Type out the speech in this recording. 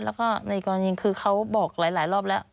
แล้วก็เม็ดนี่ก็นี่คือเค้าบอกหลายรอบแล้ว